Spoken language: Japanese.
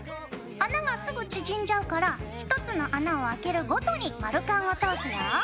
穴がすぐ縮んじゃうから１つの穴をあけるごとに丸カンを通すよ。